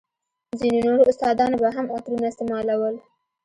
ځينو نورو استادانو به هم عطرونه استعمالول.